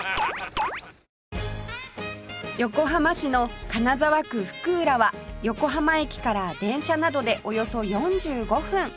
横浜市の金沢区福浦は横浜駅から電車などでおよそ４５分